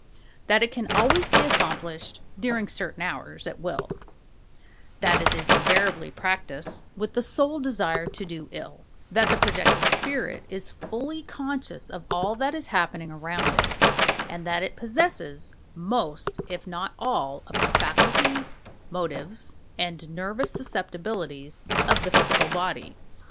that it can always be accomplished (during certain hours) at will; that it is invariably practised with the sole desire to do ill; that the projected spirit is fully conscious of all that is happening around it; and that it possesses most if not all of the faculties, motives, and nervous susceptibilities of the physical body.